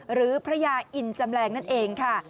หรือพระยาอินจำแรงนั่นเองค่ะ